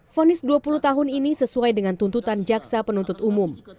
fonis dua puluh tahun ini sesuai dengan tuntutan jaksa penuntut umum